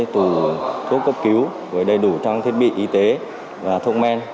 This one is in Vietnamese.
thuốc cấp cứu đầy đủ trong thiết bị y tế và thông men